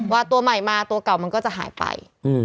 ว่าตัวใหม่มาตัวเก่ามันก็จะหายไป